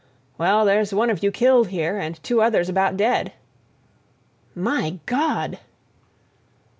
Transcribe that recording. "Well, there's one of you killed here, and two others about dead." "_My God!